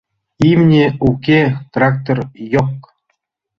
— Имне — уке, трактор — йок.